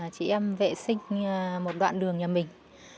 chị em vệ sinh một đoạn đường nhà mình